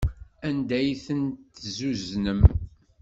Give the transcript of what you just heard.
Anda ay ten-tezzuznem?